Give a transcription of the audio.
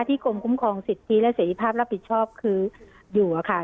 กรมคุ้มครองสิทธิและเสร็จภาพรับผิดชอบคืออยู่อะค่ะ